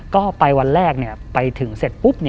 ก็ไปวันแรกไปถึงเสร็จปุ๊บ